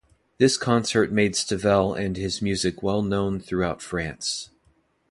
This concert made Stivell and his music well known throughout France.